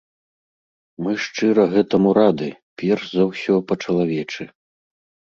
Мы шчыра гэтаму рады, перш за ўсё, па-чалавечы.